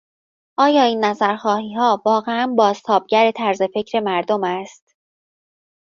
آیا این نظرخواهیها واقعا بازتابگر طرز فکر مردم است؟